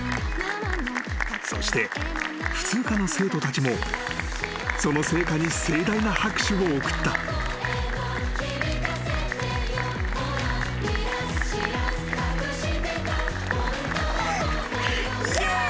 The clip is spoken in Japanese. ［そして普通科の生徒たちもその成果に盛大な拍手を送った］イェイ！